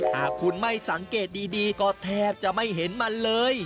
หากคุณไม่สังเกตดีก็แทบจะไม่เห็นมันเลย